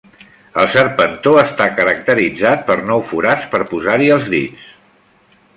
El serpentó està caracteritzat per nou forats per posar-hi els dits.